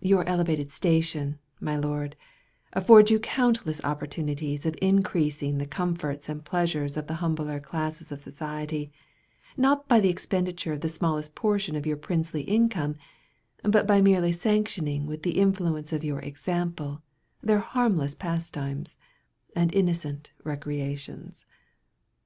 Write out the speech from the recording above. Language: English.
Your elevated station, my Lord, affords you countless opportunities of increasing the comforts and pleasures of the humbler classes of society—not by the expenditure of the smallest portion of your princely income, but by merely sanctioning with the influence of your example, their harmless pastimes, and innocent recreations.